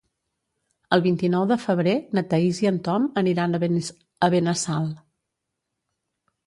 El vint-i-nou de febrer na Thaís i en Tom aniran a Benassal.